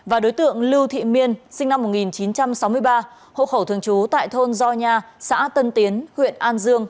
và đối tượng lưu thị miên sinh năm một nghìn chín trăm sáu mươi ba hộ khẩu thường trú tại thôn gio nha xã tân tiến huyện an dương